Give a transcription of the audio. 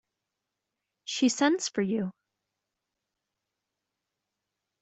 She sends for you.